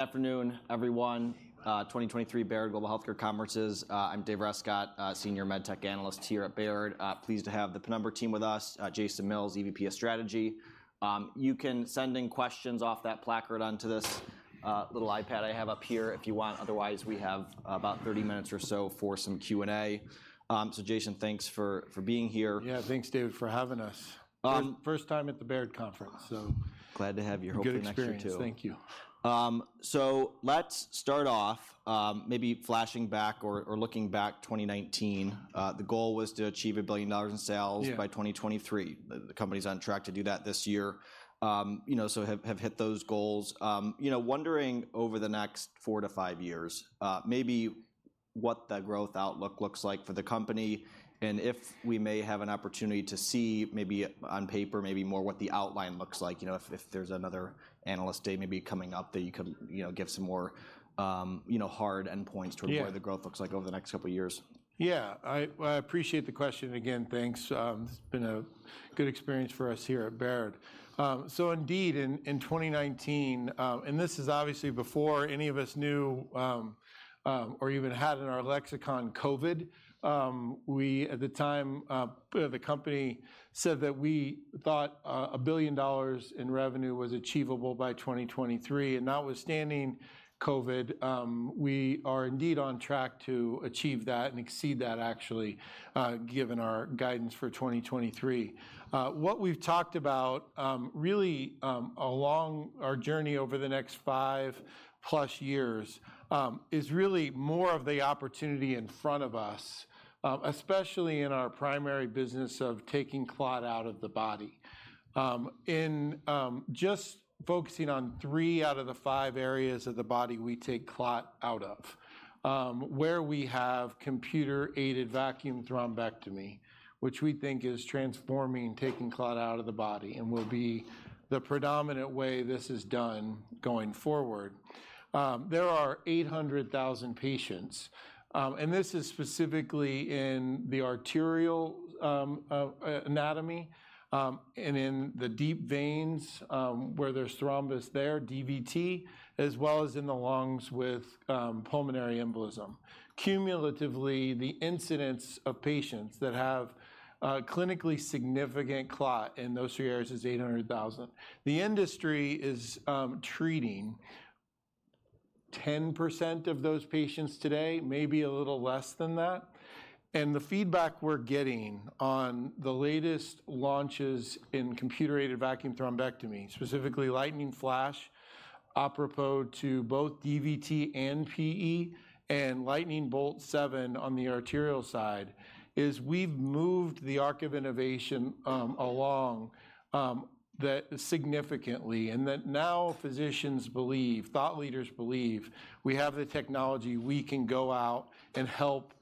Afternoon, everyone, 2023 Baird Global Healthcare Conference. I'm Dave Rescott, Senior MedTech Analyst here at Baird. Pleased to have the Penumbra team with us, Jason Mills, EVP of Strategy. You can send in questions off that placard onto this, little iPad I have up here if you want. Otherwise, we have about 30 minutes or so for some Q&A. So Jason, thanks for, for being here. Yeah, thanks, David, for having us. Um- First time at the Baird Conference, so- Glad to have you. Hope next year, too. Good experience. Thank you. So let's start off, maybe flashing back or, or looking back, 2019. The goal was to achieve $1 billion in sales- Yeah... by 2023. The company's on track to do that this year. You know, so have hit those goals. You know, wondering over the next four to five years, maybe what the growth outlook looks like for the company, and if we may have an opportunity to see maybe on paper, maybe more what the outline looks like. You know, if there's another analyst day maybe coming up that you could, you know, give some more, you know, hard endpoints to- Yeah... where the growth looks like over the next couple of years. Yeah. I appreciate the question, again, thanks. It's been a good experience for us here at Baird. Indeed, in 2019, and this is obviously before any of us knew, or even had in our lexicon COVID, we, at the time, the company said that we thought $1 billion in revenue was achievable by 2023, and notwithstanding COVID, we are indeed on track to achieve that and exceed that, actually, given our guidance for 2023. What we've talked about, really, along our journey over the next five plus years, is really more of the opportunity in front of us, especially in our primary business of taking clot out of the body. In just focusing on three out of the five areas of the body we take clot out of, where we have computer-aided vacuum thrombectomy, which we think is transforming, taking clot out of the body and will be the predominant way this is done going forward. There are 800,000 patients, and this is specifically in the arterial anatomy, and in the deep veins, where there's thrombus there, DVT, as well as in the lungs with pulmonary embolism. Cumulatively, the incidence of patients that have a clinically significant clot in those three areas is 800,000 patients. The industry is treating 10% of those patients today, maybe a little less than that, and the feedback we're getting on the latest launches in Computer-Aided Vacuum Thrombectomy, specifically Lightning Flash, apropos to both DVT and PE, and Lightning Bolt 7 on the arterial side, is we've moved the arc of innovation along that significantly, and that now physicians believe, thought leaders believe we have the technology. We can go out and help,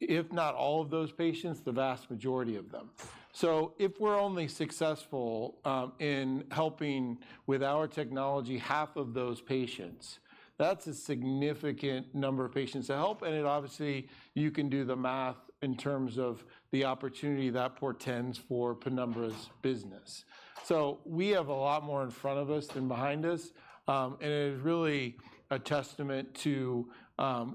if not all of those patients, the vast majority of them. So if we're only successful in helping with our technology half of those patients, that's a significant number of patients to help, and it obviously, you can do the math in terms of the opportunity that portends for Penumbra's business. We have a lot more in front of us than behind us, and it is really a testament to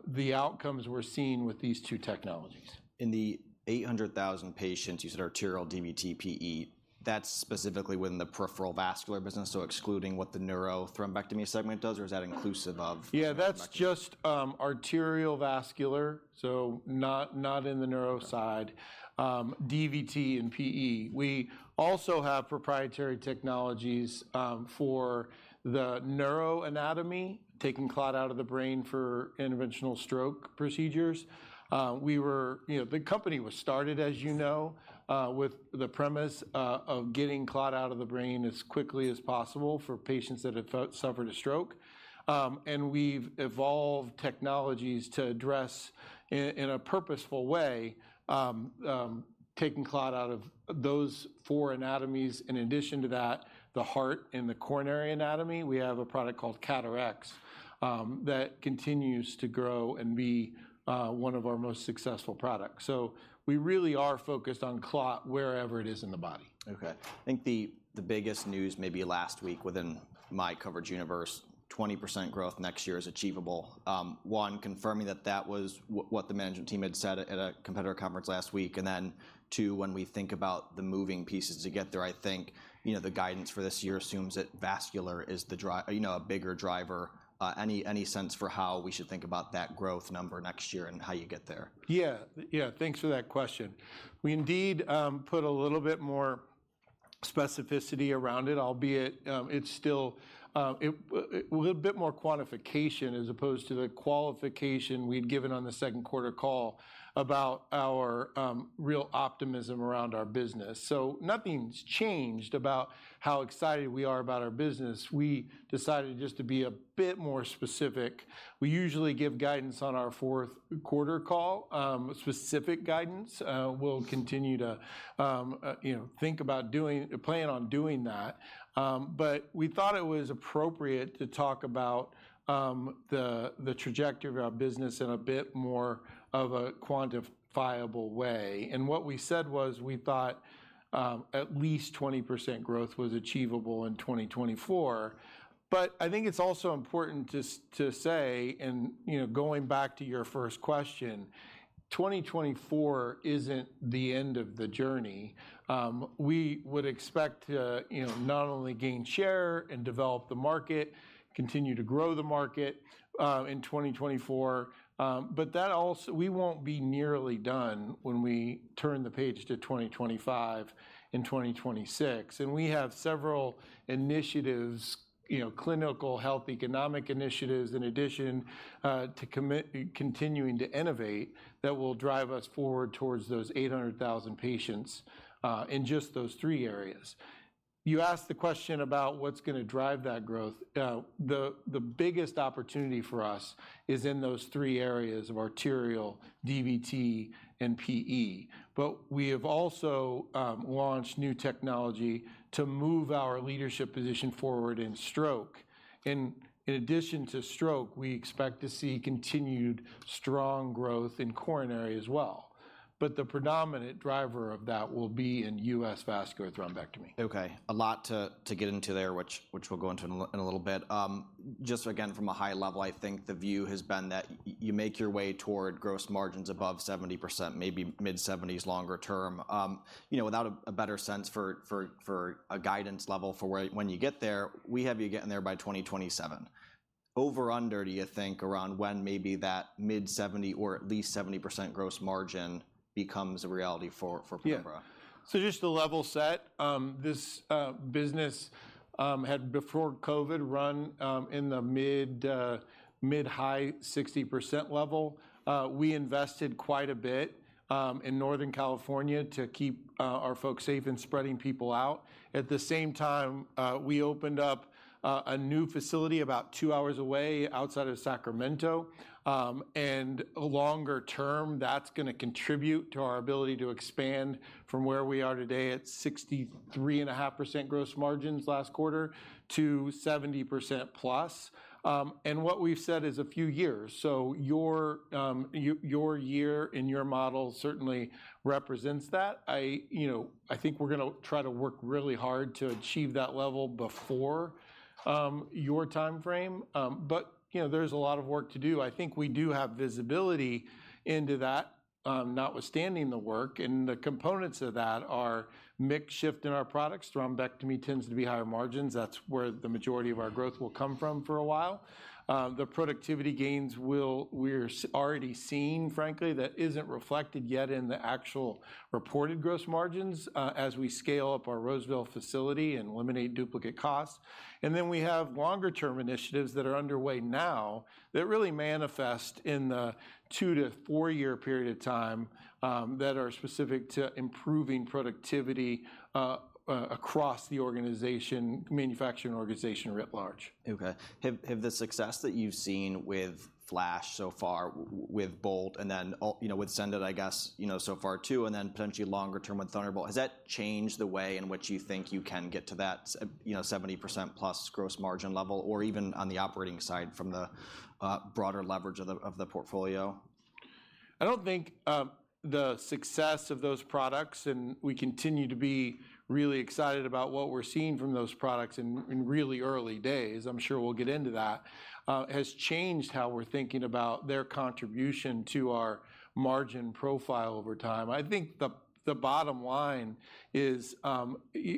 the outcomes we're seeing with these two technologies. In the 800,000 patients, you said arterial DVT PE, that's specifically within the peripheral vascular business, so excluding what the neurothrombectomy segment does, or is that inclusive of- Yeah, that's just arterial vascular, so not, not in the neuro side. Okay. DVT and PE. We also have proprietary technologies for the neuroanatomy, taking clot out of the brain for interventional stroke procedures. You know, the company was started, as you know, with the premise of getting clot out of the brain as quickly as possible for patients that had suffered a stroke. And we've evolved technologies to address, in a purposeful way, taking clot out of those four anatomies. In addition to that, the heart and the coronary anatomy, we have a product called CAT RX that continues to grow and be one of our most successful products. So we really are focused on clot wherever it is in the body. Okay. I think the biggest news maybe last week within my coverage universe, 20% growth next year is achievable. One, confirming that that was what the management team had said at a competitor conference last week, and then, two, when we think about the moving pieces to get there, I think, you know, the guidance for this year assumes that vascular is the, you know, a bigger driver. Any sense for how we should think about that growth number next year and how you get there? Yeah. Yeah, thanks for that question. We indeed put a little bit more specificity around it, albeit it's still a bit more quantification as opposed to the qualification we'd given on the second quarter call about our real optimism around our business. So nothing's changed about how excited we are about our business. We decided just to be a bit more specific. We usually give guidance on our fourth quarter call, specific guidance. We'll continue to, you know, plan on doing that. But we thought it was appropriate to talk about the trajectory of our business in a bit more of a quantifiable way. And what we said was, we thought at least 20% growth was achievable in 2024. But I think it's also important to say, and, you know, going back to your first question, 2024 isn't the end of the journey. We would expect to, you know, not only gain share and develop the market, continue to grow the market in 2024. But that also—we won't be nearly done when we turn the page to 2025 and 2026. And we have several initiatives, you know, clinical, health, economic initiatives, in addition to continuing to innovate, that will drive us forward towards those 800,000 patients in just those three areas. You asked the question about what's gonna drive that growth. The biggest opportunity for us is in those three areas of arterial, DVT, and PE. But we have also launched new technology to move our leadership position forward in stroke. In addition to stroke, we expect to see continued strong growth in coronary as well. The predominant driver of that will be in U.S. vascular thrombectomy. Okay. A lot to get into there, which we'll go into in a little bit. Just again, from a high level, I think the view has been that you make your way toward gross margins above 70%, maybe mid-70s, longer term. You know, without a better sense for a guidance level for when you get there, we have you getting there by 2027. Over/under, do you think, around when maybe that mid-70 or at least 70% gross margin becomes a reality for Penumbra? Yeah. So just to level set, this business had, before COVID, run in the mid mid-high 60% level. We invested quite a bit in Northern California to keep our folks safe and spreading people out. At the same time, we opened up a new facility about 2 hours away, outside of Sacramento. And longer term, that's gonna contribute to our ability to expand from where we are today at 63.5% gross margins last quarter to 70%+. And what we've said is a few years, so your your year and your model certainly represents that. I you know I think we're gonna try to work really hard to achieve that level before your timeframe. But you know, there's a lot of work to do. I think we do have visibility into that, notwithstanding the work, and the components of that are mix shift in our products. Thrombectomy tends to be higher margins. That's where the majority of our growth will come from for a while. The productivity gains we're already seeing, frankly, that isn't reflected yet in the actual reported gross margins, as we scale up our Roseville facility and eliminate duplicate costs. And then we have longer-term initiatives that are underway now, that really manifest in the two to four-year period of time, that are specific to improving productivity, across the organization, manufacturing organization writ large. Okay. Have the success that you've seen with Flash so far, with Bolt and then, you know, with SENDit, I guess, you know, so far, too, and then potentially longer term with Thunderbolt, has that changed the way in which you think you can get to that, you know, 70%+ gross margin level, or even on the operating side from the broader leverage of the portfolio? I don't think the success of those products, and we continue to be really excited about what we're seeing from those products in really early days, I'm sure we'll get into that, has changed how we're thinking about their contribution to our margin profile over time. I think the bottom line is,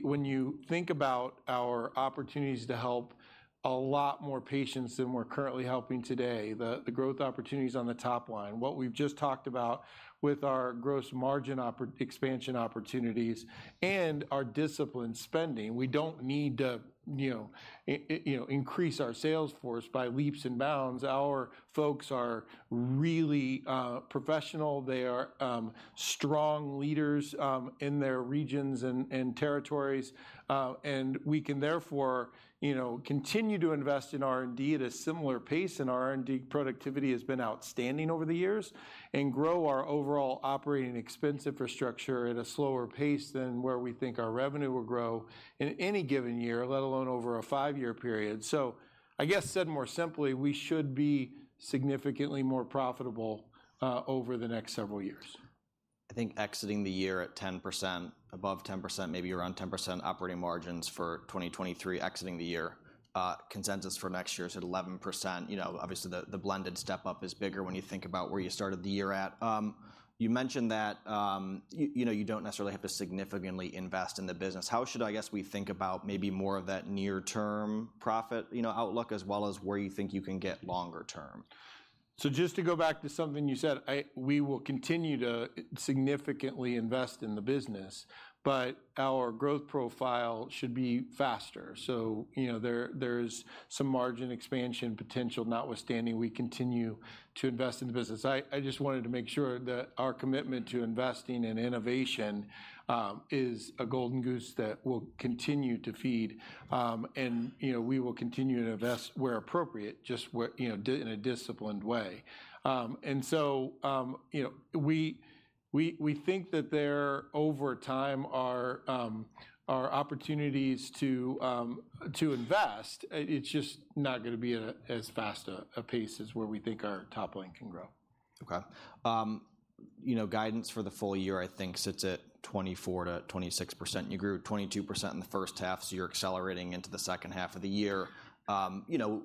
when you think about our opportunities to help a lot more patients than we're currently helping today, the growth opportunities on the top line, what we've just talked about with our gross margin expansion opportunities and our disciplined spending, we don't need to, you know, increase our sales force by leaps and bounds. Our folks are really professional. They are strong leaders in their regions and territories. And we can therefore, you know, continue to invest in R&D at a similar pace, and our R&D productivity has been outstanding over the years, and grow our overall operating expense infrastructure at a slower pace than where we think our revenue will grow in any given year, let alone over a five-year period. So I guess, said more simply, we should be significantly more profitable over the next several years. I think exiting the year at 10%, above 10%, maybe around 10% operating margins for 2023, exiting the year. Consensus for next year is at 11%. You know, obviously, the blended step-up is bigger when you think about where you started the year at. You mentioned that, you know, you don't necessarily have to significantly invest in the business. How should, I guess, we think about maybe more of that near-term profit, you know, outlook, as well as where you think you can get longer term? Just to go back to something you said, I... We will continue to significantly invest in the business, but our growth profile should be faster. You know, there's some margin expansion potential, notwithstanding we continue to invest in the business. I just wanted to make sure that our commitment to investing in innovation is a golden goose that will continue to feed. You know, we will continue to invest where appropriate, just where, you know, in a disciplined way. You know, we think that there, over time, are opportunities to invest. It's just not gonna be at as fast a pace as where we think our top line can grow. Okay. You know, guidance for the full year, I think, sits at 24%-26%. You grew 22% in the first half, so you're accelerating into the second half of the year. You know,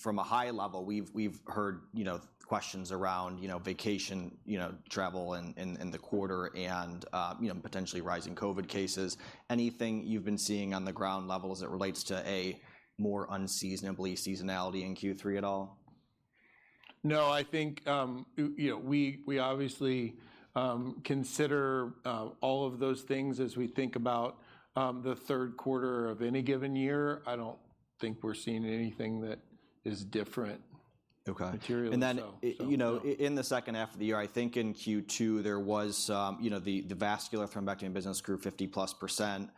from a high level, we've heard, you know, questions around, you know, vacation, you know, travel in the quarter and, you know, potentially rising COVID cases. Anything you've been seeing on the ground level as it relates to a more unseasonably seasonality in Q3 at all?... No, I think, you know, we obviously consider all of those things as we think about the third quarter of any given year. I don't think we're seeing anything that is different- Okay. materially. And then- So, you know, in the second half of the year, I think in Q2, there was, you know, the vascular thrombectomy business grew 50%+.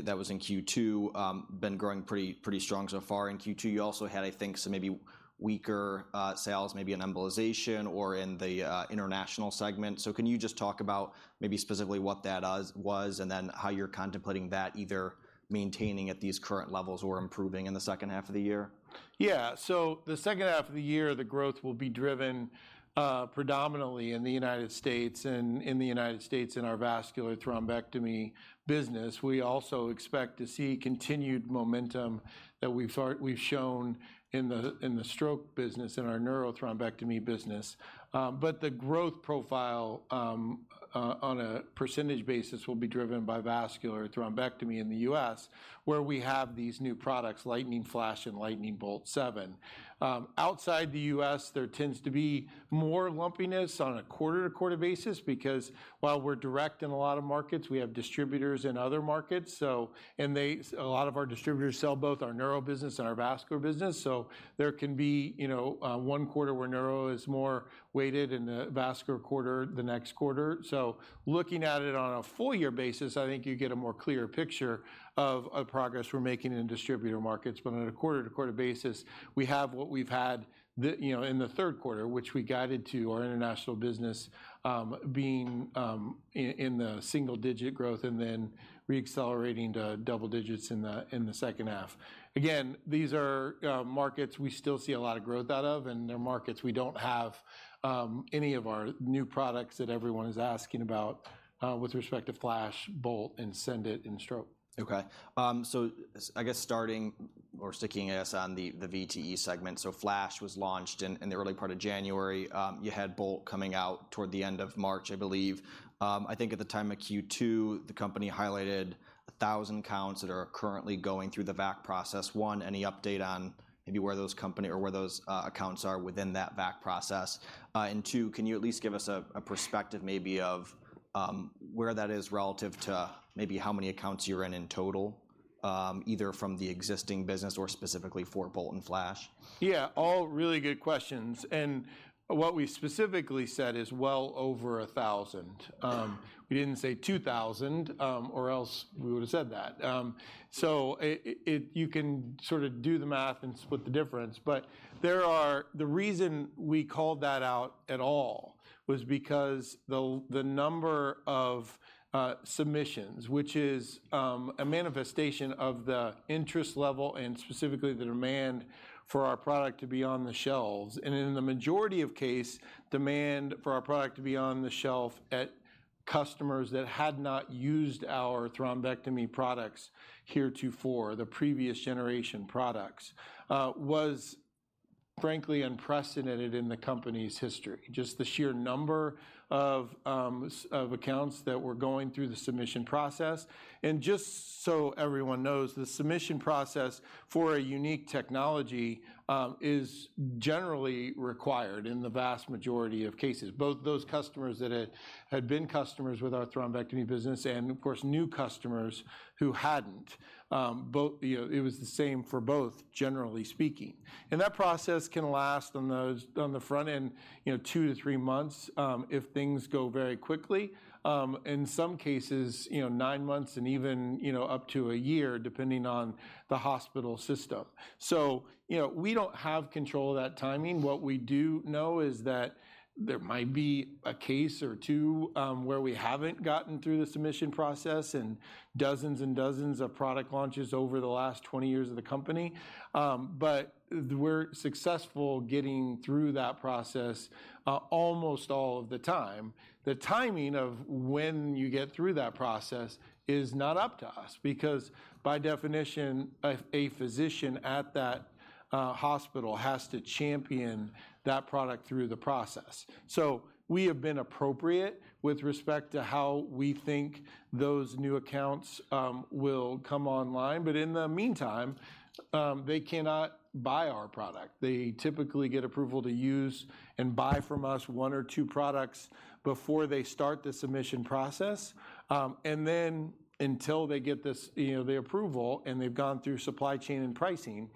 That was in Q2, been growing pretty strong so far in Q2. You also had, I think, some maybe weaker sales, maybe in embolization or in the international segment. So can you just talk about maybe specifically what that was, and then how you're contemplating that either maintaining at these current levels or improving in the second half of the year? Yeah. So the second half of the year, the growth will be driven, predominantly in the United States, in our vascular thrombectomy business. We also expect to see continued momentum that we've shown in the stroke business, in our Neurothrombectomy business. But the growth profile, on a percentage basis will be driven by vascular thrombectomy in the US, where we have these new products, Lightning Flash and Lightning Bolt 7.0. Outside the US, there tends to be more lumpiness on a quarter-to-quarter basis because while we're direct in a lot of markets, we have distributors in other markets. So a lot of our distributors sell both our neuro business and our vascular business, so there can be, you know, one quarter where neuro is more weighted and the vascular quarter the next quarter. So looking at it on a full year basis, I think you get a more clearer picture of progress we're making in distributor markets. But on a quarter-to-quarter basis, we have what we've had, you know, in the third quarter, which we guided to our international business being in single-digit growth and then re-accelerating to double digits in the second half. Again, these are markets we still see a lot of growth out of, and they're markets we don't have any of our new products that everyone is asking about with respect to Flash, Bolt, and SENDit in stroke. Okay. I guess starting or sticking us on the VTE segment. Flash was launched in the early part of January. You had Bolt coming out toward the end of March, I believe. I think at the time of Q2, the company highlighted 1,000 accounts that are currently going through the VAC process. One, any update on maybe where those company or where those accounts are within that VAC process? Two, can you at least give us a perspective maybe of where that is relative to maybe how many accounts you're in, in total, either from the existing business or specifically for Bolt and Flash? Yeah, all really good questions, and what we specifically said is well over 1,000. We didn't say 2,000, or else we would've said that. So it... You can sort of do the math and split the difference, but the reason we called that out at all was because the number of submissions, which is a manifestation of the interest level and specifically the demand for our product to be on the shelves. And in the majority of case, demand for our product to be on the shelf at customers that had not used our thrombectomy products heretofore, the previous generation products, was frankly unprecedented in the company's history. Just the sheer number of accounts that were going through the submission process. Just so everyone knows, the submission process for a unique technology is generally required in the vast majority of cases, both those customers that had been customers with our thrombectomy business and, of course, new customers who hadn't. Both, you know, it was the same for both, generally speaking. That process can last on the front end, you know, two to three months if things go very quickly, in some cases, you know, 9 months and even, you know, up to a year, depending on the hospital system. So, you know, we don't have control of that timing. What we do know is that there might be a case or two where we haven't gotten through the submission process in dozens and dozens of product launches over the last 20 years of the company. But we're successful getting through that process almost all of the time. The timing of when you get through that process is not up to us, because by definition, a physician at that hospital has to champion that product through the process. So we have been appropriate with respect to how we think those new accounts will come online. But in the meantime, they cannot buy our product. They typically get approval to use and buy from us one or two products before they start the submission process. And then until they get this, you know, the approval and they've gone through supply chain and pricing,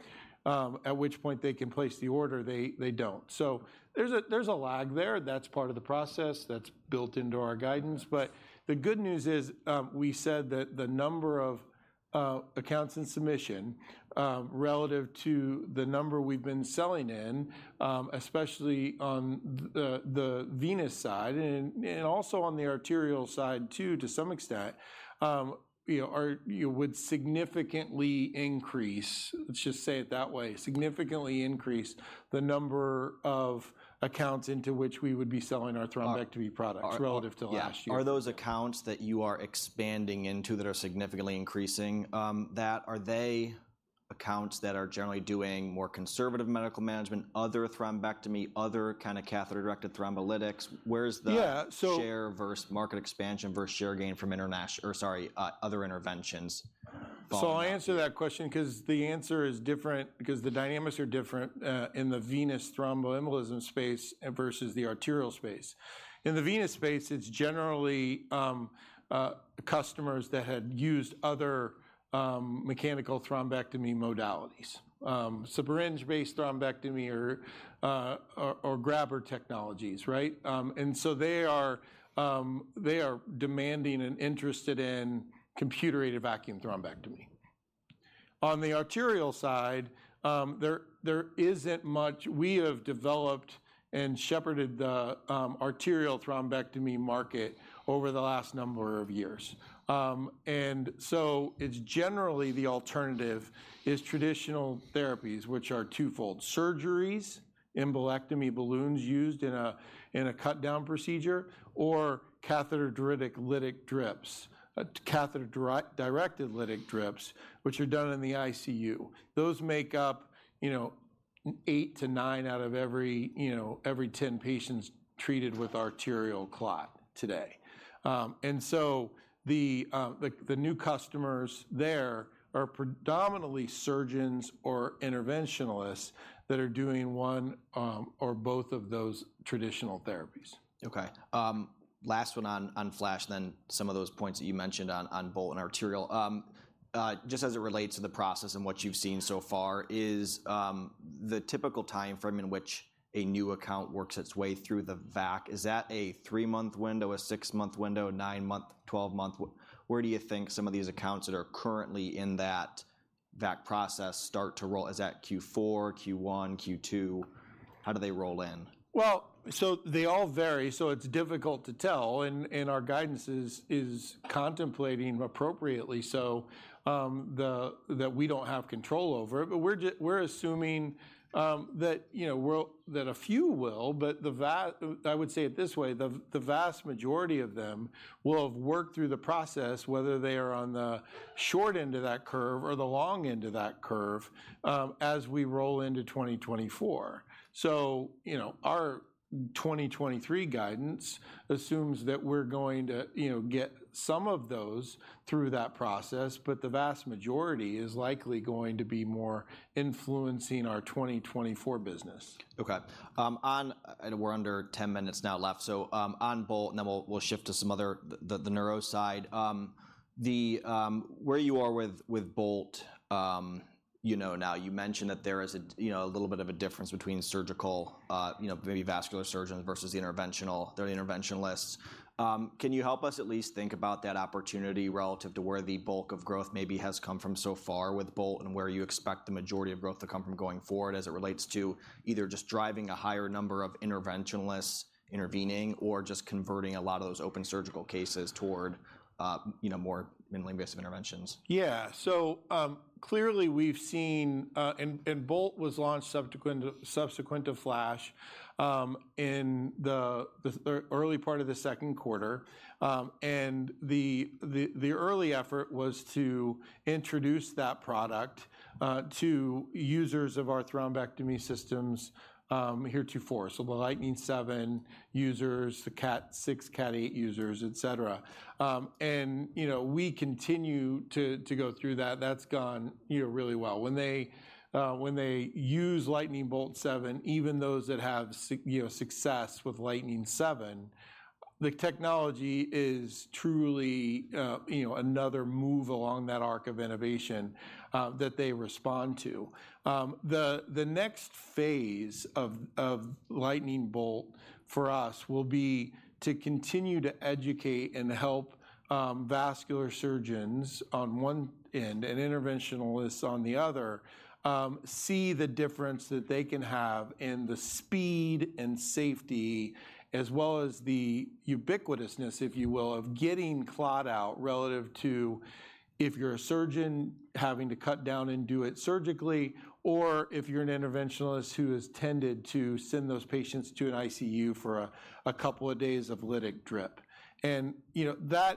at which point they can place the order, they don't. So there's a lag there. That's part of the process that's built into our guidance. Yes. But the good news is, we said that the number of accounts in submission, relative to the number we've been selling in, especially on the venous side and also on the arterial side too, to some extent, you know, are- you would significantly increase, let's just say it that way, significantly increase the number of accounts into which we would be selling our thrombectomy products- Our- - relative to last year. Yeah. Are those accounts that you are expanding into that are significantly increasing, are they accounts that are generally doing more conservative medical management, other thrombectomy, other kind of catheter-directed thrombolytics? Where is the- Yeah, so- share versus market expansion versus share gain from interventional or sorry, other interventions?... So I'll answer that question 'cause the answer is different, because the dynamics are different in the venous thromboembolism space and versus the arterial space. In the venous space, it's generally customers that had used other mechanical thrombectomy modalities. So syringe-based thrombectomy or grabber technologies, right? And so they are demanding and interested in computer-aided vacuum thrombectomy. On the arterial side, there isn't much. We have developed and shepherded the arterial thrombectomy market over the last number of years. And so it's generally the alternative is traditional therapies, which are twofold: surgeries, embolectomy balloons used in a cut-down procedure or catheter-directed lytic drips, which are done in the ICU. Those make up, you know, 8-9 out of every, you know, every 10 patients treated with arterial clot today. And so the new customers there are predominantly surgeons or interventionalists that are doing one, or both of those traditional therapies. Okay. Last one on, on FLASH, then some of those points that you mentioned on, on Bolt and arterial. Just as it relates to the process and what you've seen so far, is the typical timeframe in which a new account works its way through the VAC, is that a 3-month window, a 6-month window, 9-month, 12-month? Where do you think some of these accounts that are currently in that VAC process start to roll? Is that Q4, Q1, Q2? How do they roll in? Well, so they all vary, so it's difficult to tell, and our guidance is contemplating appropriately so, that we don't have control over. But we're assuming that, you know, we'll. That a few will, but I would say it this way, the vast majority of them will have worked through the process, whether they are on the short end of that curve or the long end of that curve, as we roll into 2024. So, you know, our 2023 guidance assumes that we're going to, you know, get some of those through that process, but the vast majority is likely going to be more influencing our 2024 business. Okay. We're under 10 minutes now left, so on Bolt, and then we'll shift to some other, the neuro side. Where you are with Bolt, you know, now, you mentioned that there is a, you know, a little bit of a difference between surgical, you know, maybe vascular surgeons versus the interventionalists. Can you help us at least think about that opportunity relative to where the bulk of growth maybe has come from so far with Bolt, and where you expect the majority of growth to come from going forward as it relates to either just driving a higher number of interventionalists intervening or just converting a lot of those open surgical cases toward, you know, more minimally invasive interventions? Yeah. So, clearly we've seen, and Bolt was launched subsequent to FLASH in the early part of the second quarter. And the early effort was to introduce that product to users of our thrombectomy systems heretofore. So the Lightning 7 users, the CAT 6, CAT 8 users, et cetera. And, you know, we continue to go through that. That's gone, you know, really well. When they use Lightning Bolt 7, even those that have success with Lightning 7, the technology is truly, you know, another move along that arc of innovation that they respond to. The next phase of Lightning Bolt for us will be to continue to educate and help vascular surgeons on one end and interventionalists on the other see the difference that they can have in the speed and safety, as well as the ubiquitousness, if you will, of getting clot out relative to if you're a surgeon having to cut down and do it surgically, or if you're an interventionalist who has tended to send those patients to an ICU for a couple of days of lytic drip. And you know,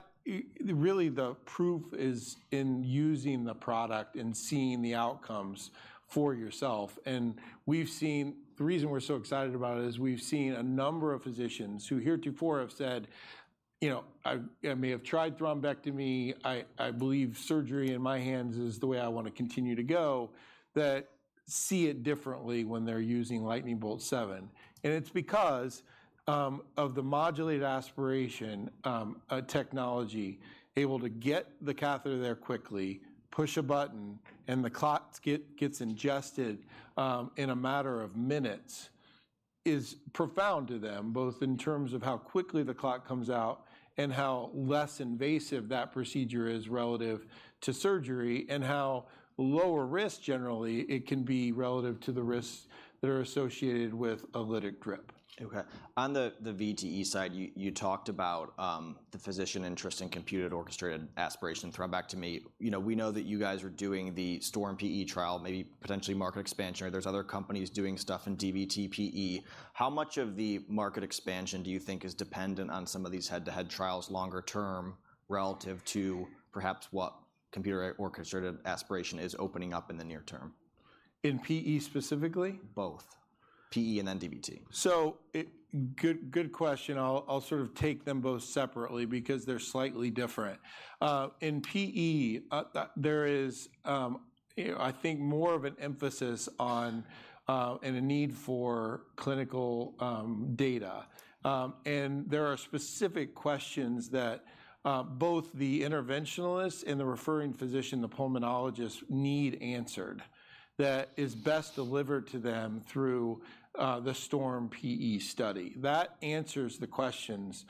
really the proof is in using the product and seeing the outcomes for yourself, and we've seen. The reason we're so excited about it is we've seen a number of physicians who heretofore have said, "You know, I may have tried thrombectomy. “I, I believe surgery in my hands is the way I want to continue to go,” that see it differently when they're using Lightning Bolt 7. And it's because of the modulated aspiration technology, able to get the catheter there quickly, push a button, and the clot gets ingested in a matter of minutes, is profound to them, both in terms of how quickly the clot comes out and how less invasive that procedure is relative to surgery, and how lower risk generally it can be relative to the risks that are associated with a lytic drip. Okay. On the, the VTE side, you, you talked about the physician interest in computer orchestrated aspiration thrombectomy. You know, we know that you guys are doing the STORM-PE trial, maybe potentially market expansion, or there's other companies doing stuff in DVT/PE. How much of the market expansion do you think is dependent on some of these head-to-head trials longer term, relative to perhaps what computer orchestrated aspiration is opening up in the near term?... In PE specifically? Both PE and then DVT. So, good question. I'll sort of take them both separately because they're slightly different. In PE, that there is, you know, I think more of an emphasis on and a need for clinical data. And there are specific questions that both the interventionalists and the referring physician, the pulmonologist, need answered that is best delivered to them through the STORM-PE study. That answers the questions.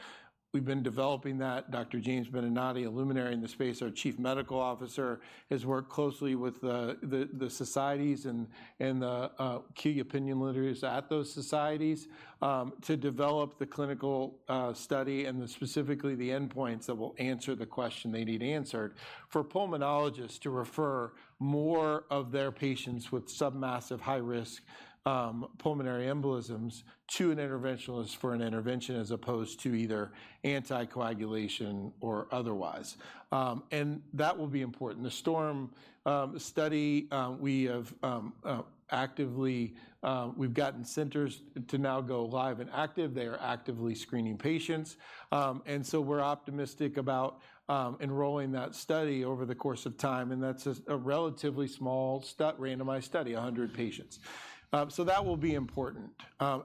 We've been developing that. Dr. James Benenati, a luminary in the space, our Chief Medical Officer, has worked closely with the societies and the key opinion leaders at those societies to develop the clinical study and specifically the endpoints that will answer the question they need answered. For pulmonologists to refer more of their patients with submassive high-risk pulmonary embolisms to an interventionalist for an intervention, as opposed to either anticoagulation or otherwise. And that will be important. The STORM study. We've gotten centers to now go live and active. They are actively screening patients. And so we're optimistic about enrolling that study over the course of time, and that's a relatively small randomized study, 100 patients. So that will be important,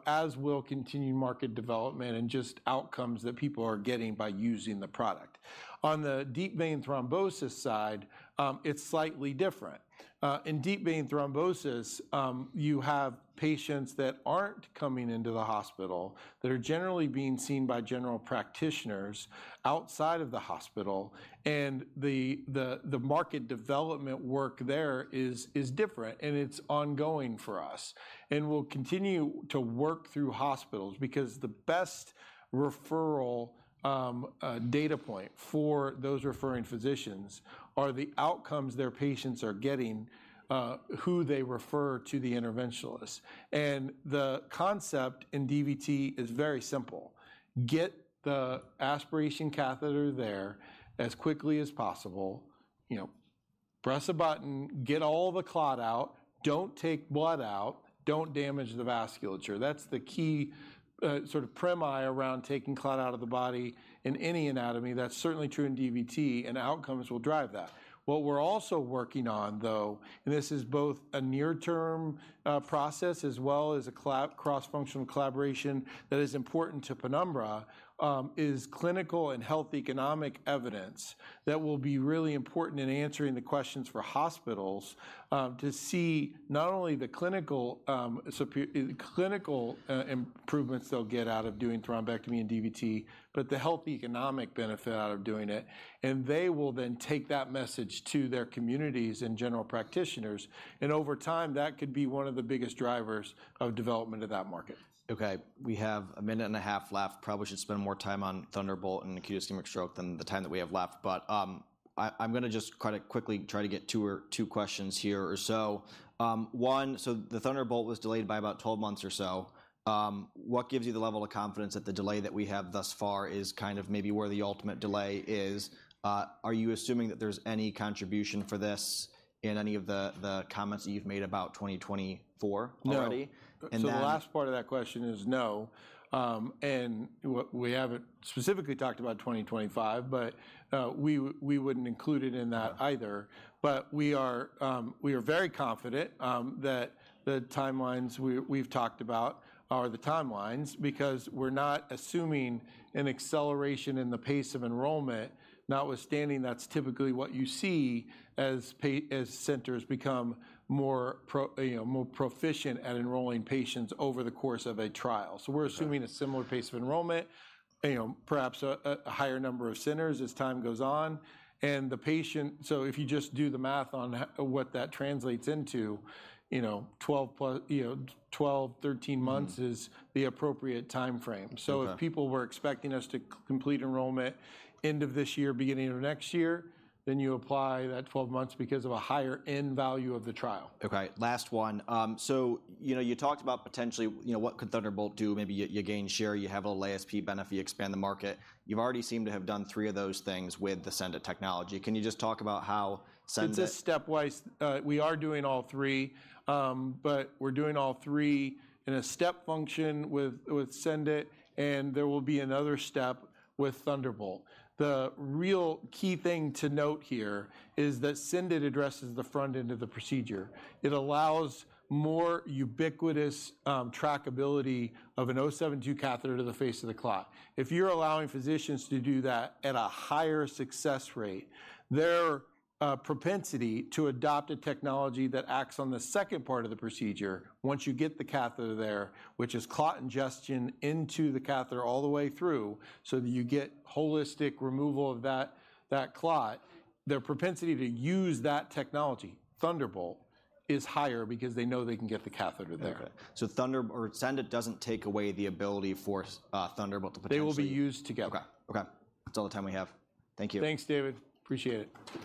as we'll continue market development and just outcomes that people are getting by using the product. On the deep vein thrombosis side, it's slightly different. In deep vein thrombosis, you have patients that aren't coming into the hospital, that are generally being seen by general practitioners outside of the hospital, and the market development work there is different, and it's ongoing for us. We'll continue to work through hospitals because the best referral data point for those referring physicians are the outcomes their patients are getting, who they refer to the interventionalists. The concept in DVT is very simple: get the aspiration catheter there as quickly as possible. You know, press a button, get all the clot out, don't take blood out, don't damage the vasculature. That's the key sort of premise around taking clot out of the body in any anatomy. That's certainly true in DVT, and outcomes will drive that. What we're also working on, though, and this is both a near-term process as well as a cross-functional collaboration that is important to Penumbra, is clinical and health economic evidence that will be really important in answering the questions for hospitals, to see not only the clinical improvements they'll get out of doing thrombectomy and DVT, but the health economic benefit out of doing it. And they will then take that message to their communities and general practitioners, and over time, that could be one of the biggest drivers of development of that market. Okay, we have a minute and a half left. Probably should spend more time on Thunderbolt and Acute Ischemic Stroke than the time that we have left, but, I'm gonna just kinda quickly try to get two or two questions here or so. One, so the Thunderbolt was delayed by about 12 months or so. What gives you the level of confidence that the delay that we have thus far is kind of maybe where the ultimate delay is? Are you assuming that there's any contribution for this in any of the, the comments that you've made about 2024 already? No. And then- So the last part of that question is no. We haven't specifically talked about 2025, but we wouldn't include it in that either. But we are very confident that the timelines we've talked about are the timelines because we're not assuming an acceleration in the pace of enrollment, notwithstanding that's typically what you see as centers become more pro, you know, more proficient at enrolling patients over the course of a trial. Okay. So we're assuming a similar pace of enrollment, you know, perhaps a higher number of centers as time goes on and the patient... So if you just do the math on what that translates into, you know, 12+, you know, 12, 13 months- Mm-hmm... is the appropriate timeframe. Okay. So if people were expecting us to complete enrollment end of this year, beginning of next year, then you apply that 12 months because of a higher end value of the trial. Okay, last one. So, you know, you talked about potentially, you know, what could Thunderbolt do? Maybe you gain share, you have an ASP benefit, you expand the market. You've already seemed to have done three of those things with the SENDit technology. Can you just talk about how SENDit- It's a stepwise, we are doing all three, but we're doing all three in a step function with, with SENDit, and there will be another step with Thunderbolt. The real key thing to note here is that SENDit addresses the front end of the procedure. It allows more ubiquitous, trackability of a 0.72 catheter to the face of the clot. If you're allowing physicians to do that at a higher success rate, their propensity to adopt a technology that acts on the second part of the procedure, once you get the catheter there, which is clot ingestion into the catheter all the way through so that you get holistic removal of that, that clot, their propensity to use that technology, Thunderbolt, is higher because they know they can get the catheter there. Okay. So Thunderbolt or SENDit doesn't take away the ability for Thunderbolt to potentially- They will be used together. Okay. Okay, that's all the time we have. Thank you. Thanks, David. Appreciate it.